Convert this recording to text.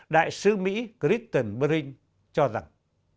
đại sứ mỹ kristen brink cho rằng